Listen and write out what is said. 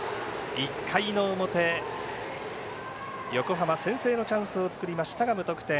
１回の表、横浜先制のチャンスを作りましたが無得点。